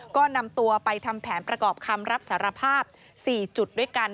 ก็นำตัวไปทำแผนประกอบคำรับสารภาพ๔จุดด้วยกัน